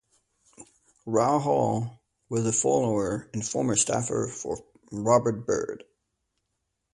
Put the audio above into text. Rahall was a follower and former staffer for Robert Byrd.